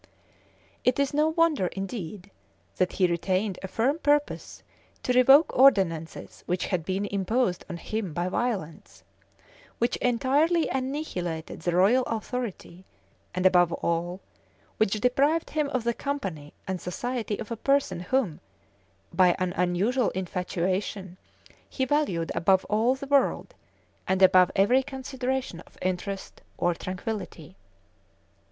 It is no wonder, indeed, that he retained a firm purpose to revoke ordinances which had been imposed on him by violence, which entirely annihilated the royal authority, and above all, which deprived him of the company and society of a person whom, by an unusual infatuation, he valued above all the world, and above every consideration of interest or tranquillity.